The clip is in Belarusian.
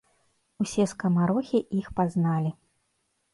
Усе скамарохі іх пазналі.